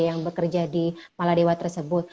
yang bekerja di maladewa tersebut